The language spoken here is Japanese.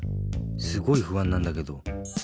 すごいふあんなんだけど。